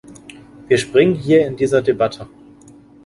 Wir springen hier in dieser Debatte.